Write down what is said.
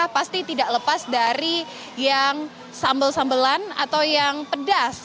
pasti tidak lepas dari yang sambel sambelan atau yang pedas